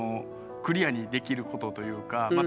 クリアにできることというかまあ